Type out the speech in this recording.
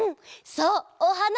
そうおはな！